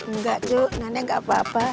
enggak cuk nenek gak apa apa